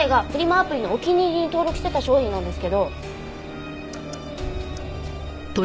アプリのお気に入りに登録してた商品なんですけど。